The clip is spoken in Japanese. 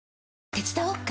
手伝おっか？